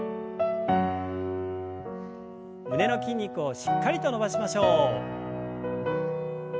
胸の筋肉をしっかりと伸ばしましょう。